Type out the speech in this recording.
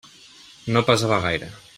No pesava gaire.